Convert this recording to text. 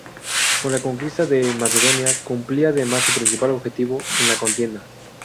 Con la conquista de Macedonia cumplía además su principal objetivo en la contienda.